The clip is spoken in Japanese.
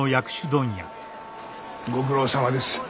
ご苦労さまです。